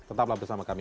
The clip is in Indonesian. tetaplah bersama kami